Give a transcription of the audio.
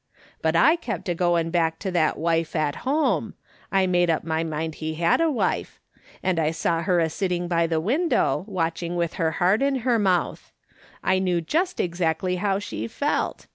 But I kept a going back to that wife at home — I made up my mind he had a wife — and I saw her a sitting by the win dow, watching with her heart in her mouth. I knew just exactly how she felt.